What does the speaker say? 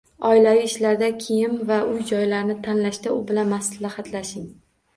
Oilaviy ishlarda, kiyim va uy jihozlari tanlashda u bilan maslahatlashing.